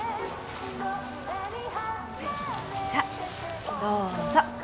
さあどうぞ。